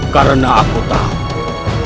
karena aku tahu